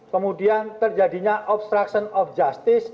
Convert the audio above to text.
kemudian terjadinya obstruction of justice